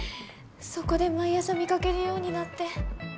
そこで毎朝見かけるようになって。